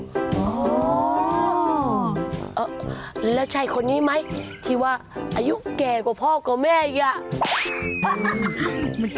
อ๋อแล้วใช่คนนี้ไหมที่ว่าอายุแก่กว่าพ่อกว่าแม่อีกอ่ะ